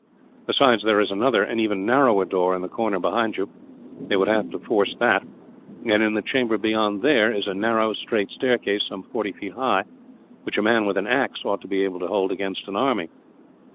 "Besides, there is another, and even narrower door, in the corner behind you. They would have to force that; and in the chamber beyond there is a narrow, straight staircase, some forty feet high, which a man with an axe ought to be able to hold against an army.